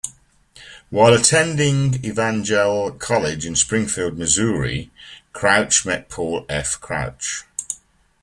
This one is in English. While attending Evangel College in Springfield, Missouri, Crouch met Paul F. Crouch.